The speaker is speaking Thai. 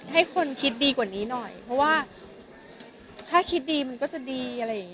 ให้คนคิดดีกว่านี้หน่อยเพราะว่าถ้าคิดดีมันก็จะดีอะไรอย่างนี้